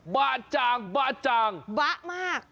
บ้าจังบ้ะมาก